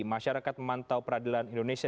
masyarakat memantau peradilan indonesia